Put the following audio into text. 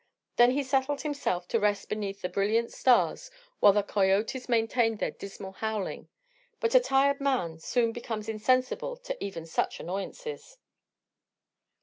Then he settled himself to rest beneath the brilliant stars while the coyotes maintained their dismal howling. But a tired man soon becomes insensible to even such annoyances.